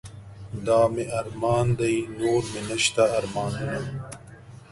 دا مې ارمان دے نور مې نشته ارمانونه